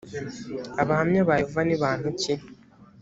abahamya ba yehova ni bantu ki ‽